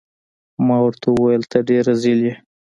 ما ورته وویل: ته ډیر رزیل يې.